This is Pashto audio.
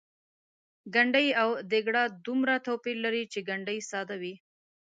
ګنډۍ او ډیګره دومره توپیر لري چې ګنډۍ ساده وي.